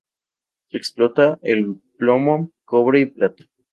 Se explota el plomo, cobre y plata.